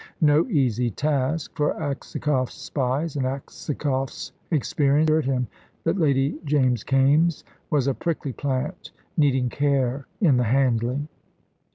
No easy task, for Aksakoff's spies and Aksakoff's experience assured him that Lady James Kaimes was a prickly plant, needing care in the handling.